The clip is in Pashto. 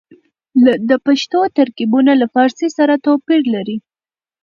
د پښتو ترکيبونه له فارسي سره توپير لري.